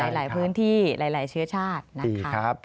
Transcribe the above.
หลายพื้นที่หลายเชื้อชาตินะคะ